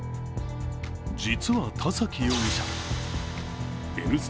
実は田崎容疑者、「Ｎスタ」